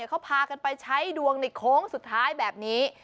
เขาพากันไปใช้ดวงในโค้งสุดท้ายแบบนี้